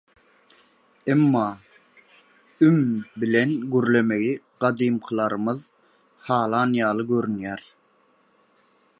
Emma üm bilen gürlemegi gadymkylarymyz halan ýaly görünýär.